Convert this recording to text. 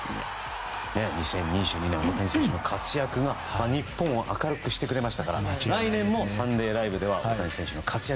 ２０２２年大谷選手の活躍が日本を明るくしてくれましたから来年も「サンデーＬＩＶＥ！！」では大谷選手の活躍